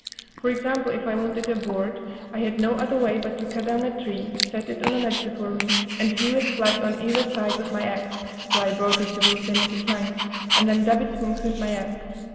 For example, if I wanted a board, I had no other way but to cut down a tree, set it on an edge before me, and hew it flat on either side with my axe, till I brought it to be thin as a plank, and then dub it smooth with my adze.